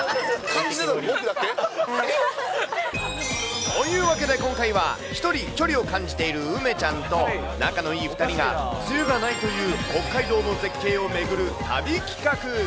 感じてたの僕だけ？というわけで今回は、１人距離を感じているうめちゃんと、仲のいい２人が、梅雨がないという北海道の絶景を巡る旅企画。